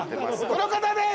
この方です！